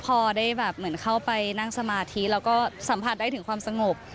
พอได้แบบเหมือนเข้าไปนั่งสมาธิแล้วก็สัมผัสได้ถึงความสงบ